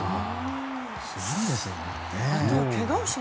すごいですね。